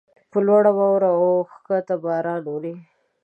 پر لوړو واوره اوکښته باران اوري.